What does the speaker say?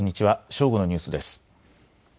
正午のニュースです。